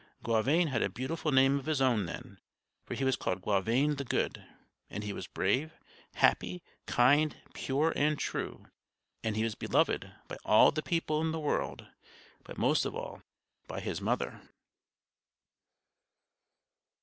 Gauvain had a beautiful name of his own then, for he was called "Gauvain the Good"; and he was brave, happy, kind, pure, and true. And he was beloved by all the people in the world, but most of all by his mother.